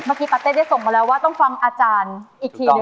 ปาเต้ได้ส่งมาแล้วว่าต้องฟังอาจารย์อีกทีหนึ่ง